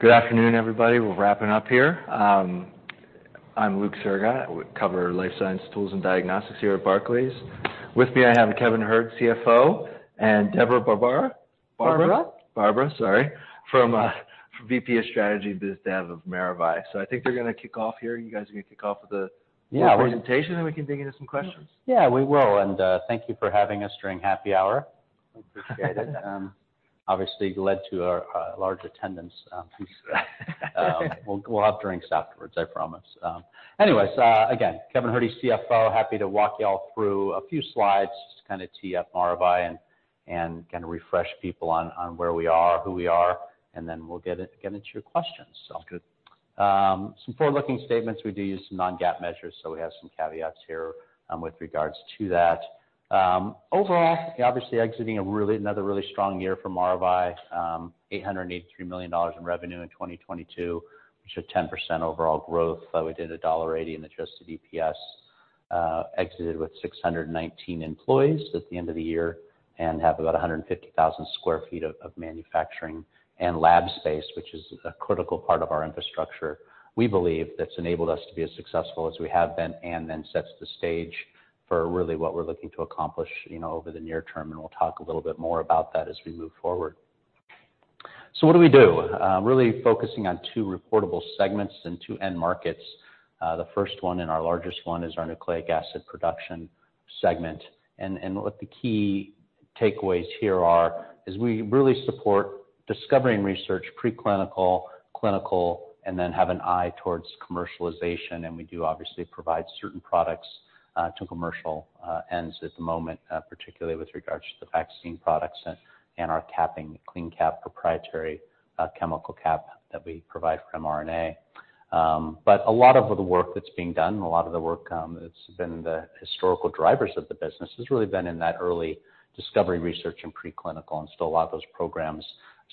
Good afternoon, everybody. We're wrapping up here. I'm Luke Sergott with Cover Life Science Tools and Diagnostics here at Barclays. With me, I have Kevin Herde, CFO, and Deborah Barbara. Barbara. Barbara, sorry. From VP of Strategy BizDev of Maravai. I think they're gonna kick off here. You guys are gonna kick off with the presentation. Yeah. Then we can dig into some questions. Yeah, we will. Thank you for having us during happy hour. Appreciate it. Obviously led to a large attendance. We'll have drinks afterwards, I promise. Anyways, again, Kevin Herde, CFO. Happy to walk y'all through a few slides, just to kind of tee up Maravai and kinda refresh people on where we are, who we are, and then we'll get into your questions. Sounds good. Some forward-looking statements. We do use some non-GAAP measures, we have some caveats here with regards to that. Overall, obviously exiting another really strong year for Maravai. $883 million in revenue in 2022, which is a 10% overall growth. We did $1.80 in Adjusted EPS. Exited with 619 employees at the end of the year, have about 150,000 sq ft of manufacturing and lab space, which is a critical part of our infrastructure. We believe that's enabled us to be as successful as we have been, and then sets the stage for really what we're looking to accomplish, you know, over the near term, and we'll talk a little bit more about that as we move forward. What do we do? Really focusing on two reportable segments and two end markets. The first one and our largest one is our nucleic acid production segment. What the key takeaways here are, is we really support discovery and research, preclinical, clinical, and then have an eye towards commercialization. We do obviously provide certain products to commercial ends at the moment, particularly with regards to the vaccine products and our capping CleanCap proprietary chemical cap that we provide for mRNA. A lot of the work that's being done and a lot of the work that's been the historical drivers of the business has really been in that early discovery research and preclinical. Still a lot of those programs,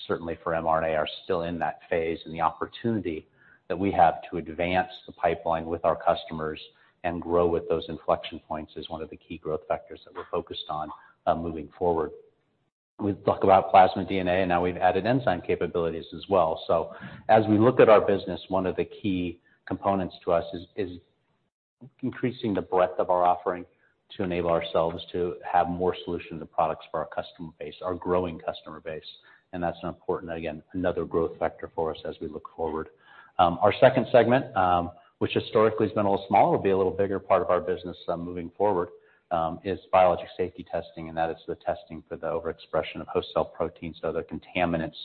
certainly for mRNA, are still in that phase. The opportunity that we have to advance the pipeline with our customers and grow with those inflection points is one of the key growth factors that we're focused on moving forward. We talk about plasmid DNA, and now we've added enzyme capabilities as well. As we look at our business, one of the key components to us is increasing the breadth of our offering to enable ourselves to have more solutions and products for our customer base, our growing customer base, and that's an important, again, another growth factor for us as we look forward. Our second segment, which historically has been a little small, it'll be a little bigger part of our business moving forward, is biologic safety testing, and that is the testing for the overexpression of host cell proteins. The contaminants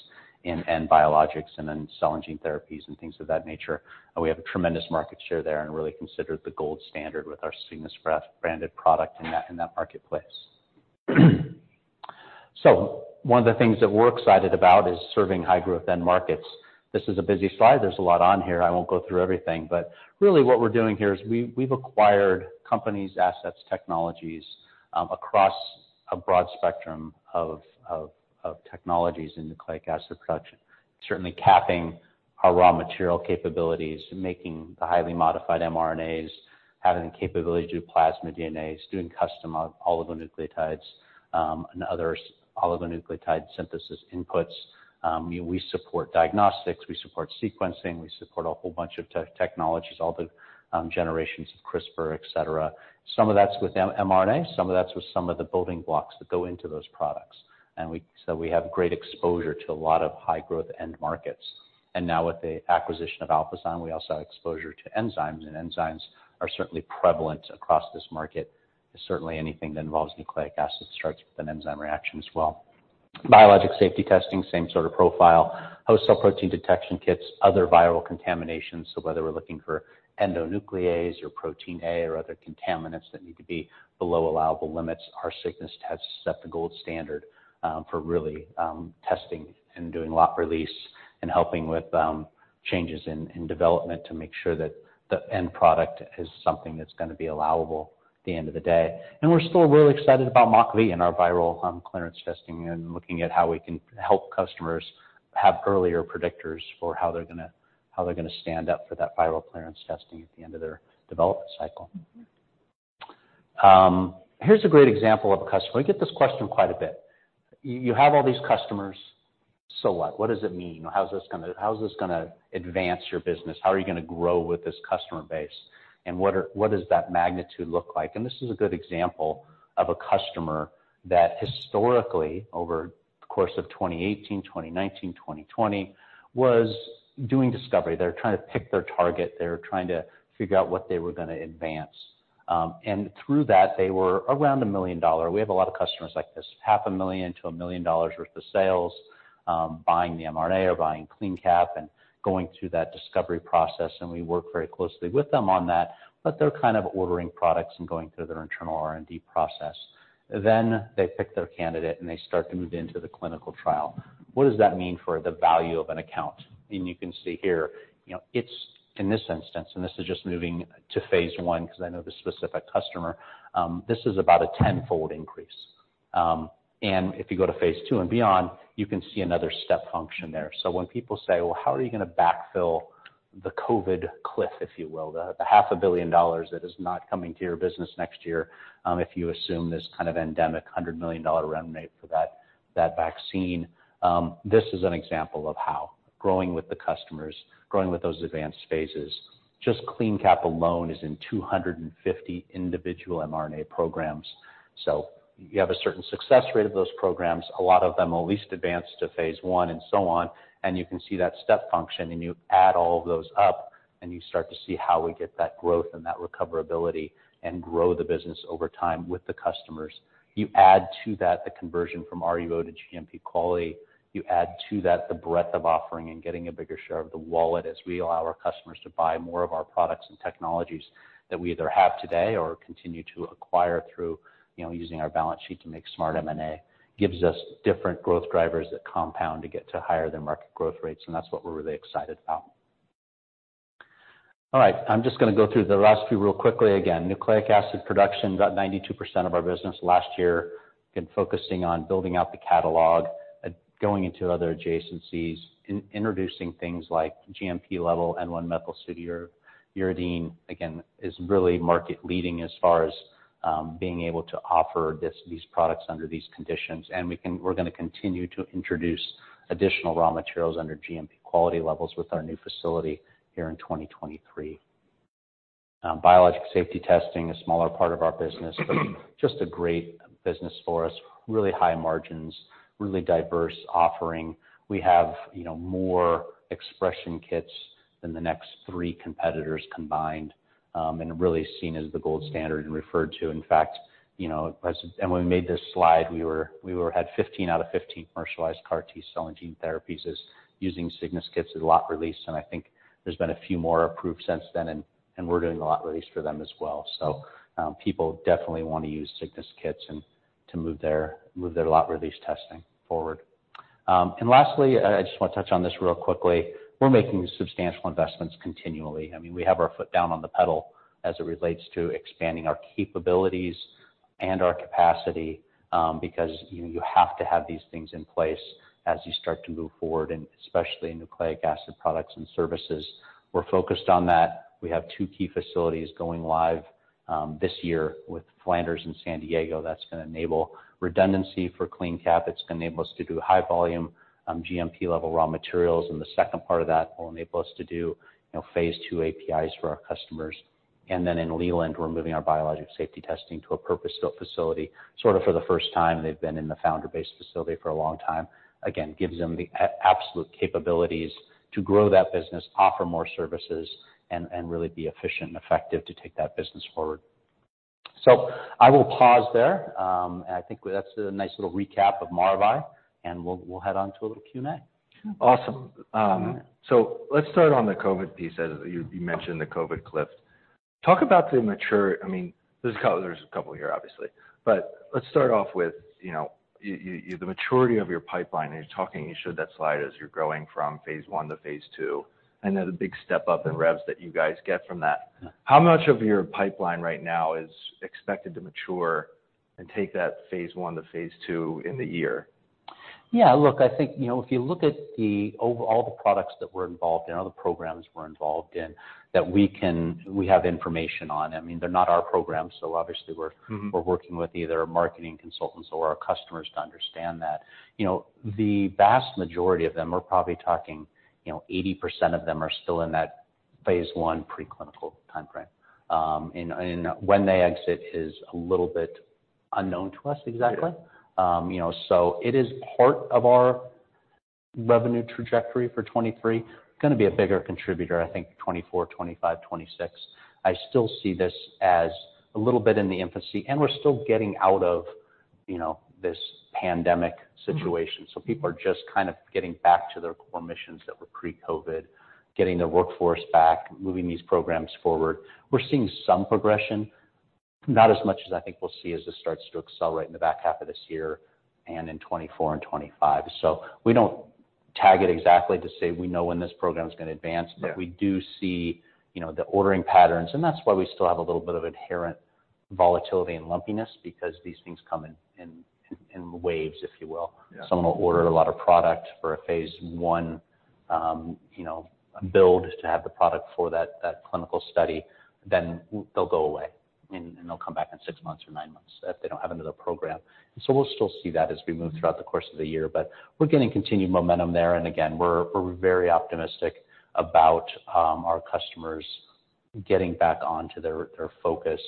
in end biologics and then cell and gene therapies and things of that nature. We have a tremendous market share there and really considered the gold standard with our Cygnus-branded product in that marketplace. One of the things that we're excited about is serving high-growth end markets. This is a busy slide. There's a lot on here. I won't go through everything. Really what we're doing here is we've acquired companies, assets, technologies across a broad spectrum of technologies in nucleic acid production. Certainly capping our raw material capabilities, making the highly modified mRNAs, having the capability to do plasmid DNAs, doing custom oligonucleotides and other oligonucleotide synthesis inputs. We support diagnostics, we support sequencing, we support a whole bunch of technologies, all the generations of CRISPR, et cetera. Some of that's with mRNA, some of that's with some of the building blocks that go into those products. We have great exposure to a lot of high growth end markets. Now with the acquisition of Alphazyme, we also have exposure to enzymes, and enzymes are certainly prevalent across this market. Certainly anything that involves nucleic acid starts with an enzyme reaction as well. biologic safety testing, same sort of profile. Host Cell Protein detection kits, other viral contaminations. Whether we're looking for endonuclease or Protein A or other contaminants that need to be below allowable limits, our Cygnus tests set the gold standard for really testing and doing lot release and helping with changes in development to make sure that the end product is something that's gonna be allowable at the end of the day. We're still really excited about MockV and our viral clearance testing and looking at how we can help customers have earlier predictors for how they're gonna stand up for that viral clearance testing at the end of their development cycle. Here's a great example of a customer. We get this question quite a bit. You have all these customers, so what? What does it mean? How's this gonna advance your business? How are you gonna grow with this customer base? What does that magnitude look like? This is a good example of a customer that historically, over the course of 2018, 2019, 2020, was doing discovery. They're trying to pick their target, they're trying to figure out what they were gonna advance. Through that, they were around $1 million. We have a lot of customers like this. Half a million to a million dollars worth of sales, buying the mRNA or buying CleanCap and going through that discovery process, and we work very closely with them on that. They're kind of ordering products and going through their internal R&D process. They pick their candidate, and they start to move into the clinical trial. What does that mean for the value of an account? You can see here, you know, it's in this instance, and this is just moving to phase one because I know this specific customer, this is about a tenfold increase. If you go to phase two and beyond, you can see another step function there. When people say, "Well, how are you gonna backfill the COVID cliff, if you will, the half a billion dollars that is not coming to your business next year, if you assume this kind of endemic $100 million run rate for that vaccine." This is an example of how growing with the customers, growing with those advanced phases, just CleanCap alone is in 250 individual mRNA programs. You have a certain success rate of those programs. A lot of them will at least advance to phase 1 and so on, you can see that step function, you add all of those up, you start to see how we get that growth and that recoverability and grow the business over time with the customers. You add to that the conversion from RUO to GMP quality. You add to that the breadth of offering and getting a bigger share of the wallet as we allow our customers to buy more of our products and technologies that we either have today or continue to acquire through, you know, using our balance sheet to make smart M&A, gives us different growth drivers that compound to get to higher than market growth rates. That's what we're really excited about. All right, I'm just gonna go through the last few real quickly again. Nucleic acid production, about 92% of our business last year in focusing on building out the catalog and going into other adjacencies, introducing things like GMP level N1-methylpseudouridine, again, is really market leading as far as being able to offer these products under these conditions. We're gonna continue to introduce additional raw materials under GMP quality levels with our new facility here in 2023. Biologic safety testing, a smaller part of our business, but just a great business for us. Really high margins, really diverse offering. We have, you know, more expression kits than the next three competitors combined, and really seen as the gold standard and referred to. In fact, you know, when we made this slide, we were had 15 out of 15 commercialized CAR T-cell and gene therapies using Cygnus kits as lot release. I think there's been a few more approved since then, and we're doing a lot release for them as well. People definitely want to use Cygnus kits and to move their lot release testing forward. Lastly, I just want to touch on this real quickly. We're making substantial investments continually. I mean, we have our foot down on the pedal as it relates to expanding our capabilities and our capacity, because you have to have these things in place as you start to move forward, and especially in nucleic acid products and services. We're focused on that. We have two key facilities going live this year with Flanders and San Diego. That's gonna enable redundancy for CleanCap. It's gonna enable us to do high volume GMP level raw materials, and the second part of that will enable us to do, you know, phase two APIs for our customers. In Leland, we're moving our biologic safety testing to a purpose-built facility, sort of for the first time. They've been in the founder-based facility for a long time. Again, gives them the absolute capabilities to grow that business, offer more services, and really be efficient and effective to take that business forward. I will pause there. I think that's a nice little recap of Maravai, and we'll head on to a little Q&A. Awesome. Let's start on the COVID piece. As you mentioned the COVID cliff. I mean, there's a couple here, obviously. Let's start off with, you know, the maturity of your pipeline as you're talking, you showed that slide as you're growing from phase one to phase two. I know the big step up in revs that you guys get from that. How much of your pipeline right now is expected to mature and take that phase one to phase two in the year? Yeah. Look, I think, you know, if you look at the all the products that we're involved in, all the programs we're involved in that we have information on, I mean, they're not our programs. Mm-hmm... We're working with either our marketing consultants or our customers to understand that. You know, the vast majority of them, we're probably talking, you know, 80% of them are still in that phase one pre-clinical timeframe. When they exit is a little bit unknown to us exactly. Yeah. You know, it is part of our revenue trajectory for 23. Gonna be a bigger contributor, I think 24, 25, 26. I still see this as a little bit in the infancy, we're still getting out of, you know, this pandemic situation. Mm-hmm. People are just kind of getting back to their core missions that were pre-COVID, getting their workforce back, moving these programs forward. We're seeing some progression, not as much as I think we'll see as this starts to accelerate in the back half of this year and in 2024 and 2025. We don't tag it exactly to say we know when this program's gonna advance. Yeah. We do see, you know, the ordering patterns, and that's why we still have a little bit of inherent volatility and lumpiness because these things come in waves, if you will. Yeah. Someone will order a lot of product for a phase one, you know, build to have the product for that clinical study, then they'll go away and they'll come back in six months or nine months if they don't have another program. We'll still see that as we move throughout the course of the year, but we're getting continued momentum there. Again, we're very optimistic about our customers getting back on to their focus,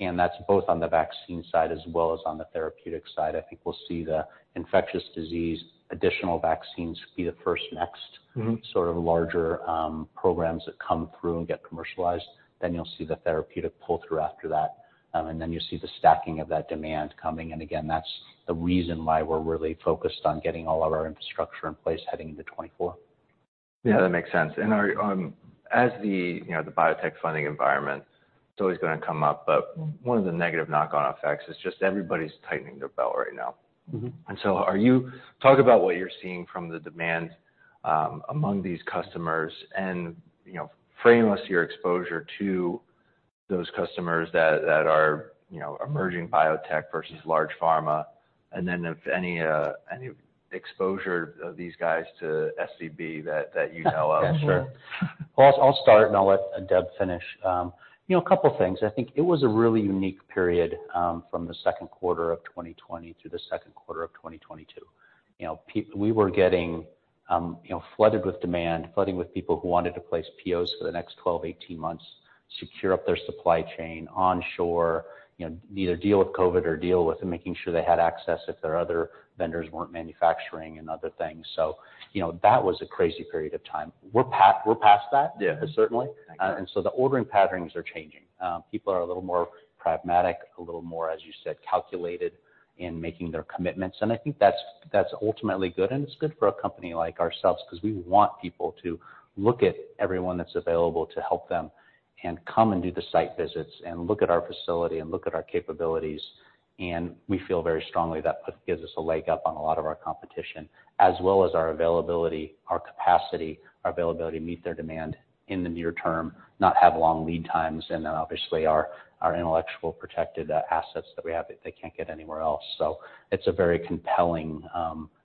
and that's both on the vaccine side as well as on the therapeutic side. I think we'll see the infectious disease, additional vaccines be the first next- Mm-hmm... Sort of larger, programs that come through and get commercialized. You'll see the therapeutic pull-through after that. You'll see the stacking of that demand coming. Again, that's the reason why we're really focused on getting all of our infrastructure in place heading into 2024. Yeah, that makes sense. Are, as the, you know, the biotech funding environment, it's always gonna come up, but one of the negative knock-on effects is just everybody's tightening their belt right now. Mm-hmm. Talk about what you're seeing from the demand among these customers and, you know, frame us your exposure toThose customers that are, you know, emerging biotech versus large pharma, and then if any exposure of these guys to SVB that you know of. Yeah, sure. Well, I'll start and I'll let Deb finish. You know, a couple things. I think it was a really unique period from the second quarter of 2020 through the second quarter of 2022. You know, we were getting, you know, flooded with demand, flooded with people who wanted to place POs for the next 12 months, 18 months, secure up their supply chain onshore, you know, either deal with COVID or deal with making sure they had access if their other vendors weren't manufacturing and other things. You know, that was a crazy period of time. We're past that. Yeah. Certainly. Okay. The ordering patterns are changing. People are a little more pragmatic, a little more, as you said, calculated in making their commitments. I think that's ultimately good, and it's good for a company like ourselves because we want people to look at everyone that's available to help them and come and do the site visits and look at our facility and look at our capabilities. We feel very strongly that gives us a leg up on a lot of our competition, as well as our availability, our capacity, our availability to meet their demand in the near term, not have long lead times, and then obviously our intellectual protected, assets that we have that they can't get anywhere else. It's a very compelling,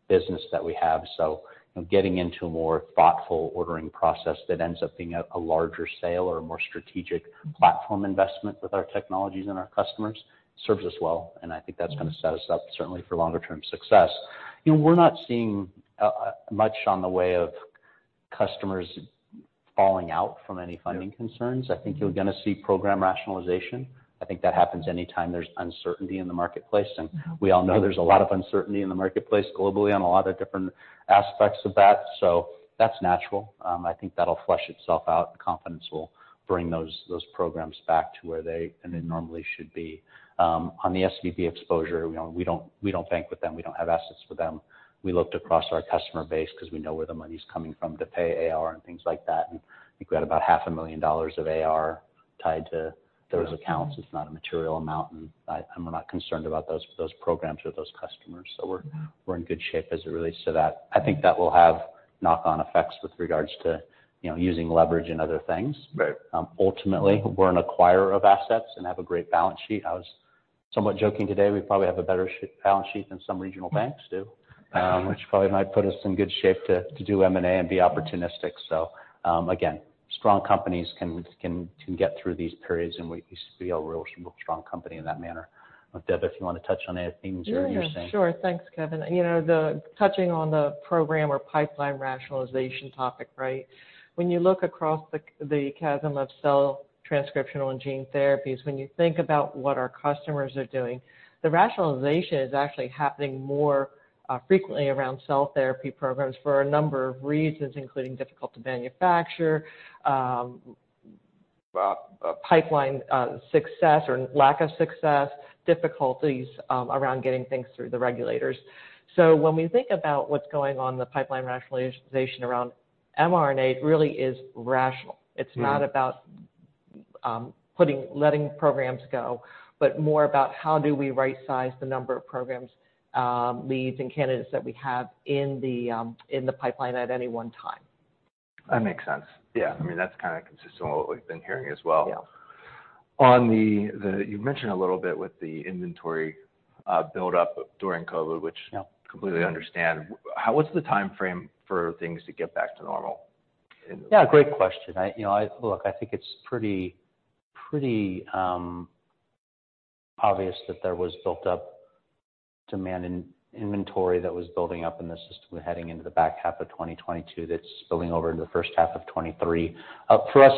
business that we have. You know, getting into a more thoughtful ordering process that ends up being a larger sale or a more strategic platform investment with our technologies and our customers serves us well. I think that's gonna set us up certainly for longer term success. You know, we're not seeing much on the way of customers falling out from any funding concerns. I think you're gonna see program rationalization. I think that happens anytime there's uncertainty in the marketplace, and we all know there's a lot of uncertainty in the marketplace globally on a lot of different aspects of that. That's natural. I think that'll flush itself out. Confidence will bring those programs back to where they normally should be. On the SVB exposure, you know, we don't bank with them, we don't have assets with them. We looked across our customer base because we know where the money's coming from to pay AR and things like that. I think we had about half a million dollars of AR tied to those accounts. It's not a material amount. I'm not concerned about those programs or those customers. We're in good shape as it relates to that. I think that will have knock on effects with regards to, you know, using leverage and other things. Right. Ultimately, we're an acquirer of assets and have a great balance sheet. I was somewhat joking today, we probably have a better balance sheet than some regional banks do, which probably might put us in good shape to do M&A and be opportunistic. Again, strong companies can get through these periods, and we feel we're a strong company in that manner. Deb, if you want to touch on any things you're saying. Yeah, sure. Thanks, Kevin. You know, touching on the program or pipeline rationalization topic, right? When you look across the chasm of cell transcriptional and gene therapies, when you think about what our customers are doing, the rationalization is actually happening more frequently around cell therapy programs for a number of reasons, including difficult to manufacture, pipeline success or lack of success, difficulties around getting things through the regulators. When we think about what's going on in the pipeline rationalization around mRNA, it really is rational. Mm-hmm. It's not about letting programs go, but more about how do we right size the number of programs, leads, and candidates that we have in the in the pipeline at any one time. That makes sense. Yeah. I mean, that's kind of consistent with what we've been hearing as well. Yeah. On the you mentioned a little bit with the inventory build up during COVID, which... Yeah. Completely understand. What's the timeframe for things to get back to normal in? Great question. I, you know, I look, I think it's pretty obvious that there was built up demand and inventory that was building up in the system heading into the back half of 2022 that's spilling over into the first half of 2023.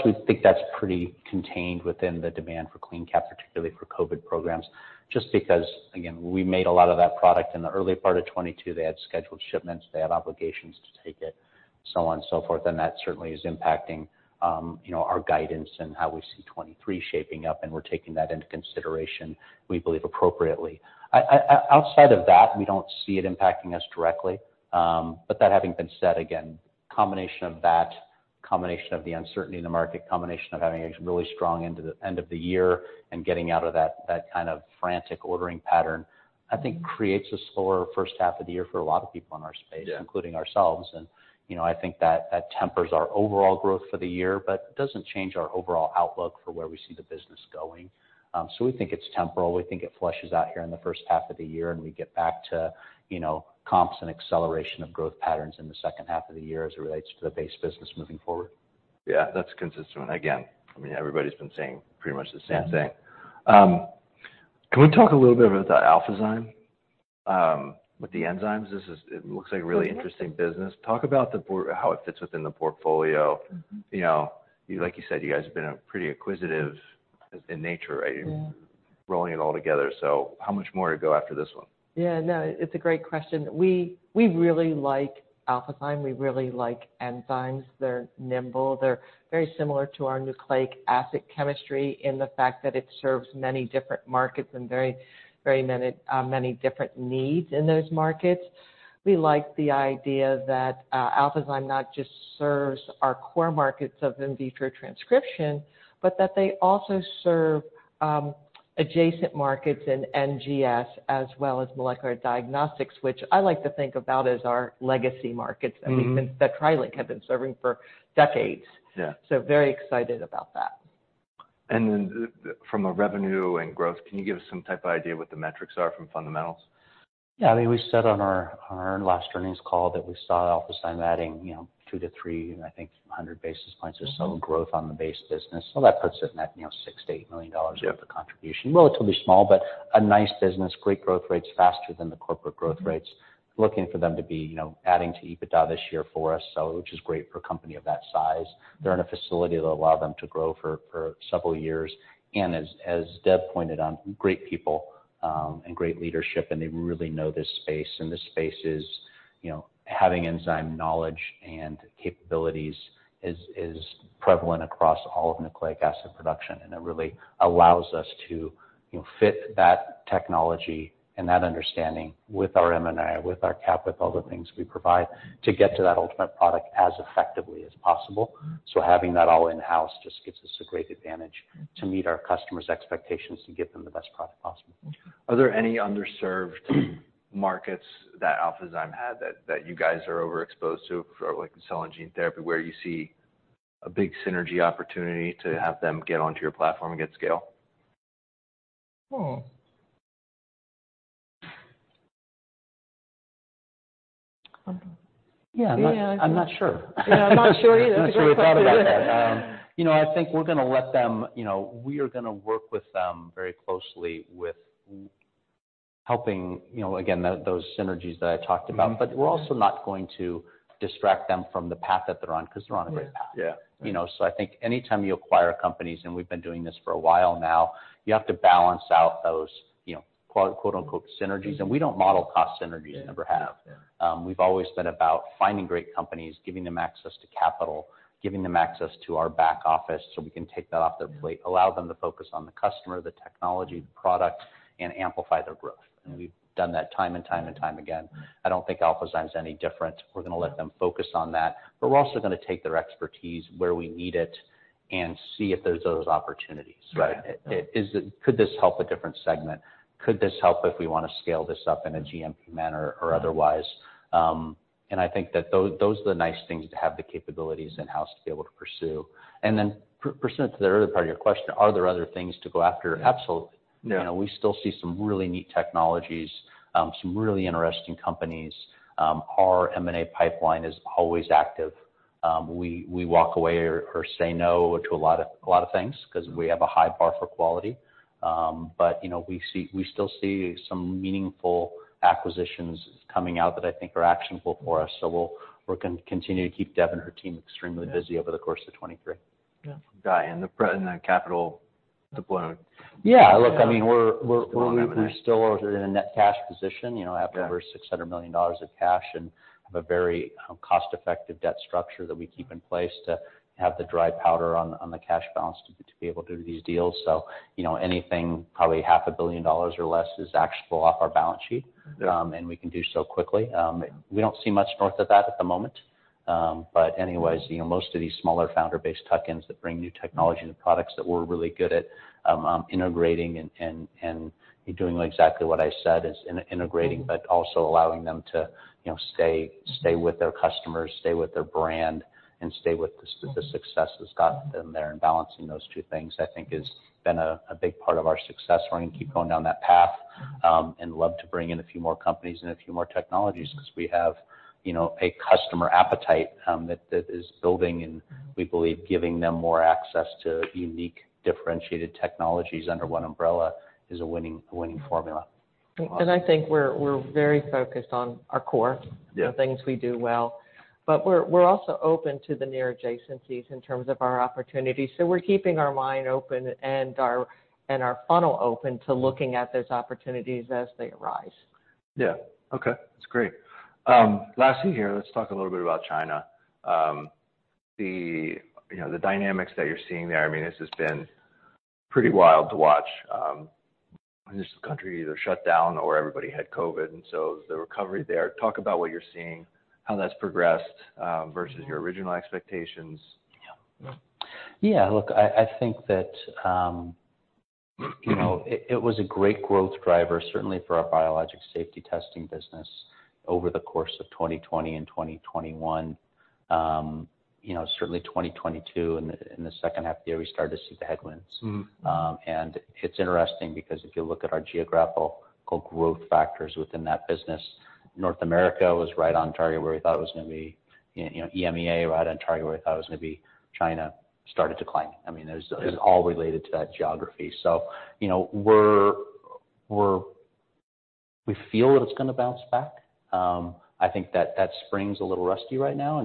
We think that's pretty contained within the demand for CleanCap, particularly for COVID programs, just because, again, we made a lot of that product in the early part of 2022. They had scheduled shipments, they had obligations to take it, so on and so forth, that certainly is impacting, you know, our guidance and how we see 2023 shaping up, and we're taking that into consideration, we believe appropriately. I outside of that, we don't see it impacting us directly. That having been said, again, combination of that, combination of the uncertainty in the market, combination of having a really strong end of the year and getting out of that kind of frantic ordering pattern, I think creates a slower first half of the year for a lot of people in our space. Yeah. Including ourselves. You know, I think that tempers our overall growth for the year, but doesn't change our overall outlook for where we see the business going. We think it's temporal. We think it flushes out here in the first half of the year and we get back to, you know, comps and acceleration of growth patterns in the second half of the year as it relates to the base business moving forward. Yeah, that's consistent. Again, I mean, everybody's been saying pretty much the same thing. Can we talk a little bit about Alphazyme with the enzymes? It looks like a really interesting business. Talk about how it fits within the portfolio. Mm-hmm. You know, like you said, you guys have been pretty acquisitive in nature, right? Yeah. You're rolling it all together, so how much more to go after this one? Yeah, no, it's a great question. We really like Alphazyme. We really like enzymes. They're nimble. They're very similar to our nucleic acid chemistry in the fact that it serves many different markets and very many different needs in those markets. We like the idea that Alphazyme not just serves our core markets of in vitro transcription, but that they also serve adjacent markets in NGS as well as molecular diagnostics, which I like to think about as our legacy markets. Mm-hmm. I mean, since that TriLink had been serving for decades. Yeah. Very excited about that. From a revenue and growth, can you give us some type of idea what the metrics are from fundamentals? Yeah. I mean, we said on our last earnings call that we saw Alphazyme adding, you know, 2%-3%, and I think 100 basis points or so of growth on the base business. That puts it net, you know, $6 million-$8 million. Yeah ...Of the contribution. Relatively small, but a nice business. Great growth rates, faster than the corporate growth rates. Looking for them to be, you know, adding to EBITDA this year for us, so which is great for a company of that size. They're in a facility that'll allow them to grow for several years. As Deb pointed on, great people, and great leadership, and they really know this space. This space is, you know, having enzyme knowledge and capabilities is prevalent across all of nucleic acid production. It really allows us to, you know, fit that technology and that understanding with our M&A, with our CleanCap, with all the things we provide to get to that ultimate product as effectively as possible. Having that all in-house just gives us a great advantage to meet our customers' expectations to get them the best product possible. Are there any underserved markets that Alphazyme had that you guys are overexposed to for like cell and gene therapy, where you see a big synergy opportunity to have them get onto your platform and get scale? Hmm. I don't. Yeah. Yeah. I'm not sure. Yeah, I'm not sure either. That's a great question. I'm not sure about that. You know, I think we're gonna let them, you know, we are gonna work with them very closely with helping, you know, again, those synergies that I talked about. Mm-hmm. We're also not going to distract them from the path that they're on because they're on a great path. Yeah. Yeah. You know, I think anytime you acquire companies, and we've been doing this for a while now, you have to balance out those, you know, quote, "synergies." We don't model cost synergies, never have. Yeah. We've always been about finding great companies, giving them access to capital, giving them access to our back office so we can take that off their plate, allow them to focus on the customer, the technology, the product, and amplify their growth. Mm-hmm. We've done that time and time and time again. I don't think Alphazyme's any different. We're gonna let them focus on that, but we're also gonna take their expertise where we need it and see if there's those opportunities, right? Yeah. Could this help a different segment? Could this help if we wanna scale this up in a GMP manner or otherwise? I think that those are the nice things to have the capabilities in-house to be able to pursue. Then person to the earlier part of your question, are there other things to go after? Absolutely. Yeah. You know, we still see some really neat technologies, some really interesting companies. Our M&A pipeline is always active. We walk away or say no to a lot of things 'cause we have a high bar for quality. You know, we still see some meaningful acquisitions coming out that I think are actionable for us, so we're gonna continue to keep Deb and her team extremely busy over the course of 2023. Yeah. Got you. The capital deployment. Yeah. Look, I mean, we're. Still on that one.... We're still in a net cash position, you know, Yeah... Have over $600 million of cash and have a very, cost-effective debt structure that we keep in place to have the dry powder on the cash balance to be able to do these deals. You know, anything, probably half a billion dollars or less is actionable off our balance sheet. Mm-hmm. We can do so quickly. We don't see much north of that at the moment. Anyways, you know, most of these smaller founder-based tuck-ins that bring new technology and products that we're really good at, integrating and doing exactly what I said is integrating but also allowing them to, you know, stay with their customers, stay with their brand, and stay with the success that's got them there and balancing those two things, I think is been a big part of our success. We're gonna keep going down that path, and love to bring in a few more companies and a few more technologies 'cause we have, you know, a customer appetite that is building, and we believe giving them more access to unique, differentiated technologies under one umbrella is a winning formula. I think we're very focused on our core-. Yeah... The things we do well. We're also open to the near adjacencies in terms of our opportunities. We're keeping our mind open and our funnel open to looking at those opportunities as they arise. Yeah. Okay. That's great. Lastly here, let's talk a little bit about China. The, you know, the dynamics that you're seeing there, I mean, this has been pretty wild to watch. This country either shut down or everybody had COVID, and so the recovery there, talk about what you're seeing, how that's progressed, versus your original expectations. Yeah. Yeah. Yeah. Look, I think that, you know, it was a great growth driver, certainly for our biologic safety testing business over the course of 2020 and 2021. You know, certainly 2022 in the, in the second half of the year, we started to see the headwinds. Mm-hmm. It's interesting because if you look at our geographical growth factors within that business, North America was right on target where we thought it was gonna be. You know, EMEA, right on target where we thought it was gonna be. China started declining. I mean. Yeah... It was all related to that geography. You know, we feel that it's gonna bounce back. I think that that spring's a little rusty right now, it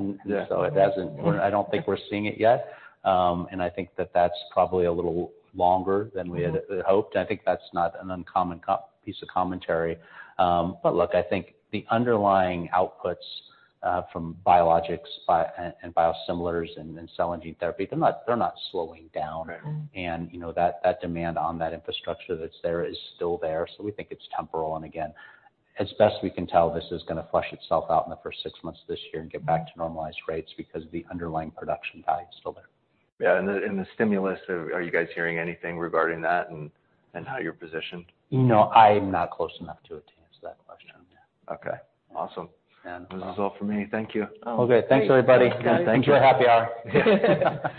hasn't- Yeah. I don't think we're seeing it yet. I think that that's probably a little longer than we had hoped. I think that's not an uncommon piece of commentary. Look, I think the underlying outputs from biologics, and biosimilars and cell and gene therapy, they're not slowing down. Right. You know, that demand on that infrastructure that's there is still there, so we think it's temporal. Again, as best we can tell, this is gonna flush itself out in the first six months of this year and get back to normalized rates because the underlying production value is still there. Yeah. The stimulus, are you guys hearing anything regarding that and how you're positioned? You know, I'm not close enough to it to answer that question. Okay. Awesome. This is all for me. Thank you. Okay. Thanks, everybody. Yeah. Thank you. Enjoy happy hour.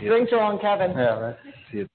Drinks are on Kevin. Yeah. Right. See you.